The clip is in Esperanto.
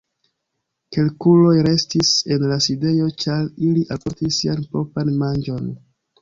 Kelkuloj restis en la sidejo, ĉar ili alportis sian propran manĝon.